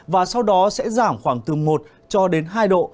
và sau đó sẽ giảm khoảng từ một cho đến hai độ